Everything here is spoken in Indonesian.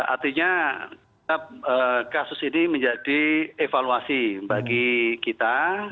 artinya kasus ini menjadi evaluasi bagi kita